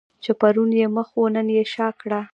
چې پرون یې مخ وو نن یې شا کړه.